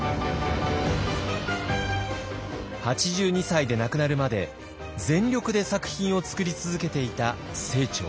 ８２歳で亡くなるまで全力で作品を作り続けていた清張。